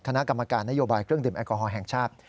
คณะกรรมการนโยบายเครื่องดื่มแอลกอฮอลแห่งชาติ